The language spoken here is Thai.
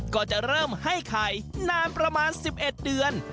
ก็จะเริ่มให้ไข่นานประมาณ๑๑เดือน